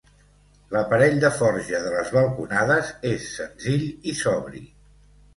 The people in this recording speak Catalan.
L'aparell de forja de les balconades és senzill i sobri.